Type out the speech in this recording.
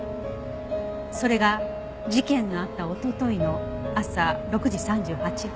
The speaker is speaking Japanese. それが事件のあったおとといの朝６時３８分。